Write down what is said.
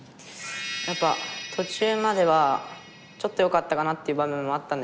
やっぱ途中まではちょっとよかったかなっていう場面もあったんですけど。